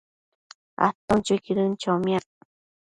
aton chuiquidën chomiac